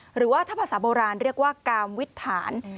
หรือว่าถ้าภาษาโบราณเรียกว่ากามวิทธาน